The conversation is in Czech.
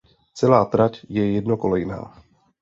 Celá trať je jednokolejná.